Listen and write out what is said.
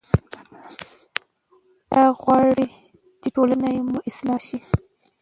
دی غواړي چې ټولنه مو اصلاح شي.